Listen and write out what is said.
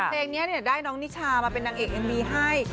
เพลงนี้ได้น้องนิชามาเป็นนางเอกเอ็มวีให้